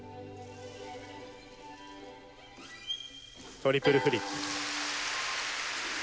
トリプルフリップ。